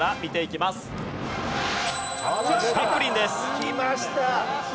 きました！